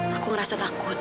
saya merasa sangat takut